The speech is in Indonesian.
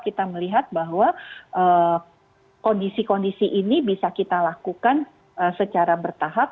kita melihat bahwa kondisi kondisi ini bisa kita lakukan secara bertahap